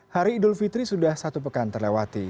hari idul fitri sudah satu pekan terlewati